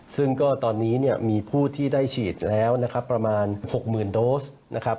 ซึ่งก็ตอนนี้เนี่ยมีผู้ที่ได้ฉีดแล้วนะครับประมาณ๖๐๐๐โดสนะครับ